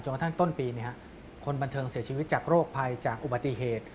กระทั่งต้นปีคนบันเทิงเสียชีวิตจากโรคภัยจากอุบัติเหตุ